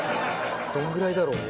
どのぐらいだろう？